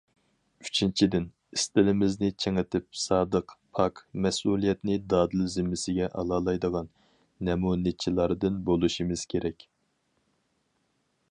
ئۈچىنچىدىن، ئىستىلىمىزنى چىڭىتىپ، سادىق، پاك، مەسئۇلىيەتنى دادىل زىممىسىگە ئالالايدىغان نەمۇنىچىلاردىن بولۇشىمىز كېرەك.